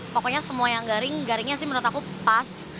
pokoknya semua yang garing garingnya sih menurut aku pas